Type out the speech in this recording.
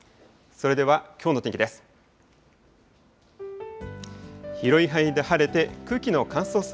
それではきょうの天気です。